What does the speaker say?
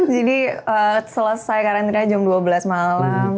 jadi selesai karantina jam dua belas malam